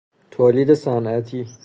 تولید صنعتی